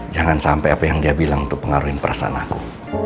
jangan sampai apa yang dia bilang untuk pengaruhi perasaan aku